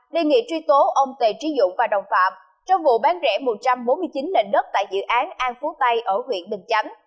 đề nghị truy tố ông tề trí dũng và đồng phạm trong vụ bán rẻ một trăm bốn mươi chín nền đất tại dự án an phú tây ở huyện bình chánh